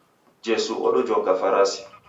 Jesu odojoka farasi.